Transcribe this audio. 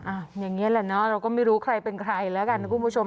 อย่างนี้แหละเนอะเราก็ไม่รู้ใครเป็นใครแล้วกันนะคุณผู้ชม